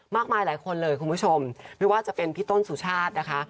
หลายคนเลยคุณผู้ชมไม่ว่าจะเป็นพี่ต้นสุชาตินะคะ